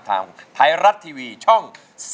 ทางไทยรัฐทีวีช่อง๓๒